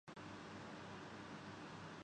یہ منھ اور مسور کی دال